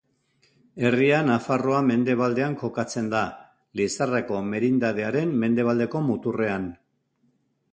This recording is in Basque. Herria Nafarroa mendebaldean kokatzen da, Lizarrako merindadearen mendebaldeko muturrean.